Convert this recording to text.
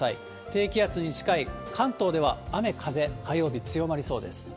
低気圧に近い関東では雨、風、火曜日強まりそうです。